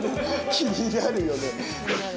気になるよね。